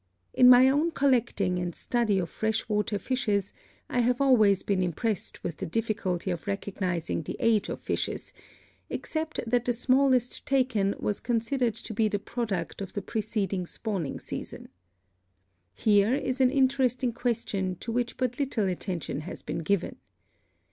In my own collecting and study of fresh water fishes I have always been impressed with the difficulty of recognizing the age of fishes, except that the smallest taken was considered to be the product of the preceding spawning season. Here is an interesting question to which but little attention has been given.